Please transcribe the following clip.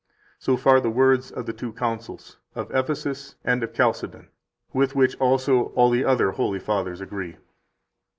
12 So far the words of the two councils, of Ephesus and of Chalcedon, with which also all the other holy fathers agree.